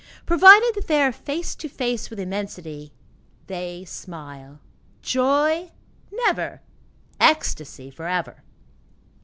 Provided that they are face to face with immensity, they smile. Joy never, ecstasy forever.